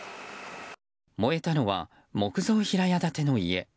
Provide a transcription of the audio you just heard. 燃えたのは木造平屋建ての家。